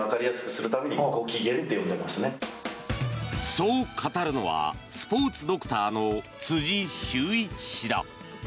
そう語るのはスポーツドクターの辻秀一氏だ。